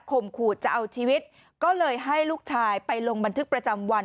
ขู่จะเอาชีวิตก็เลยให้ลูกชายไปลงบันทึกประจำวัน